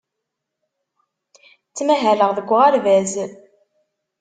Ttmahaleɣ deg uɣerbaz.